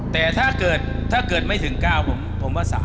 แต่ถ้าเกิดไม่ถึง๙ผมว่า๓